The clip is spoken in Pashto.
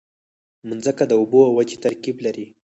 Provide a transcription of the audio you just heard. مځکه د اوبو او وچې ترکیب لري.